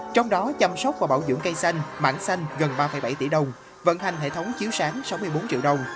trong đó chăm sóc và bảo dưỡng cây xanh mảng xanh gần ba bảy tỷ đồng vận hành hệ thống chiếu sáng sáu mươi bốn triệu đồng